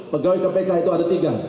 pegawai kpk itu ada tiga